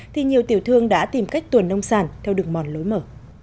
thì nhiều tiểu thương đã tìm cách tuần nông sản theo đường mòn lối mở